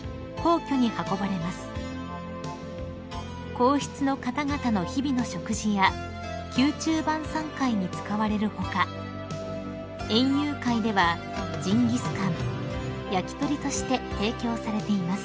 ［皇室の方々の日々の食事や宮中晩さん会に使われる他園遊会ではジンギスカン焼き鳥として提供されています］